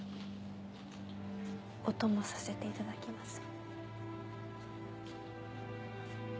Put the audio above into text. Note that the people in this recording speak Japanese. お供させていただきます。